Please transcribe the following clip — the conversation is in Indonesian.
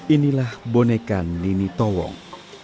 inilah boneka nini towong